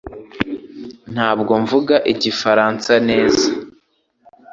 Ntabwo mvuga Igifaransa neza